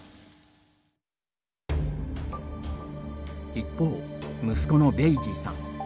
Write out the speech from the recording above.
一方息子のベイジーさん。